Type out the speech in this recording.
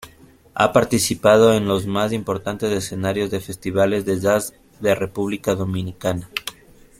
Ha participado en los más importantes escenarios y festivales de jazz de República Dominicana.